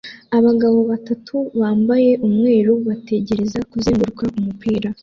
Abagabo batatu bambaye umweru bategereza kuzunguruka kumupira